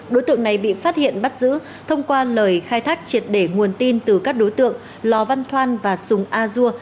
đối tượng này bị phát hiện bắt giữ thông qua lời khai thác triệt để nguồn tin từ các đối tượng lò văn thoan và sùng a dua